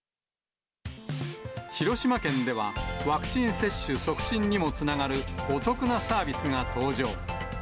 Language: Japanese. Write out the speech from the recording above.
広島県では、ワクチン接種促進にもつながるお得なサービスが登場。